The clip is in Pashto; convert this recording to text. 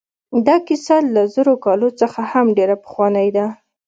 دا کیسه له زرو کالو څخه هم ډېره پخوانۍ ده.